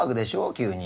急に。